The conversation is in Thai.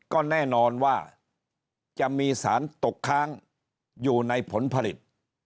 ก็แน่นอนว่าจะมีสารตกค้างอยู่ในผลผลิต